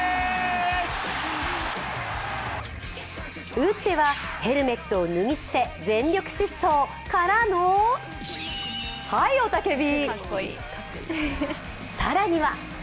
打ってはヘルメットを脱ぎ捨て全力疾走からの、はい、雄たけび！